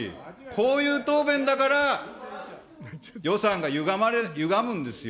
こういう答弁だから、予算がゆがむんですよ。